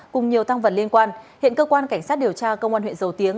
cùng nhiều tăng vật liên quan hiện cơ quan cảnh sát điều tra công an huyện dầu tiếng